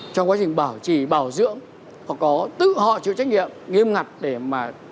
trong quá trình bảo trì bảo dưỡng họ có tự họ chịu trách nhiệm nghiêm ngặt để mà